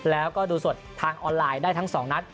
แล้วก็ดูสดทางออนไลน์ได้ทั้ง๒นัด